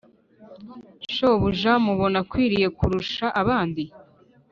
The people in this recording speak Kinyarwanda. shobuja mubona akwiriye kurusha abandi